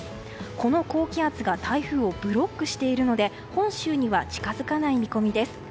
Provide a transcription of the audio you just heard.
この高気圧が台風をブロックしているので本州には近づかない見込みです。